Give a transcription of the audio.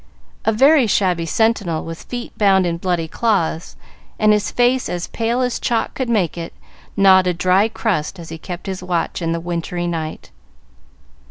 A very shabby sentinel, with feet bound in bloody cloths, and his face as pale as chalk could make it, gnawed a dry crust as he kept his watch in the wintry night.